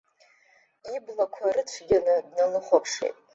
Иблақәа рыцәгьаны дналыхәаԥшит.